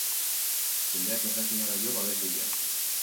Jendeak ez daki nora jo babes bila.